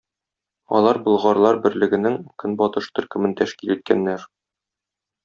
Алар болгарлар берлегенең көнбатыш төркемен тәшкил иткәннәр.